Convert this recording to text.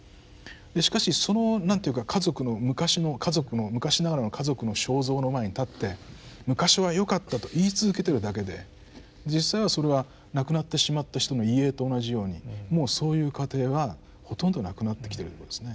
しかしそのなんて言うか家族の昔の家族の昔ながらの家族の肖像の前に立って「昔はよかった」と言い続けてるだけで実際はそれは亡くなってしまった人の遺影と同じようにもうそういう家庭はほとんどなくなってきてるってことですね。